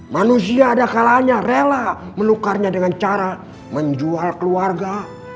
manusia ada kalanya rela menukarnya dengan cara menjual keluarga